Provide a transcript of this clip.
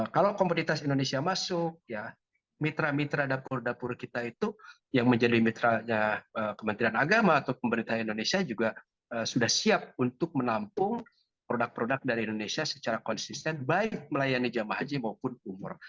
kalau komoditas indonesia masuk ya mitra mitra dapur dapur kita itu yang menjadi mitranya kementerian agama atau pemerintah indonesia juga sudah siap untuk menampung produk produk dari indonesia secara konsisten baik melayani jemaah haji maupun umur